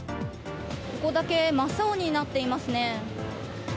ここだけ真っ青になっていますね。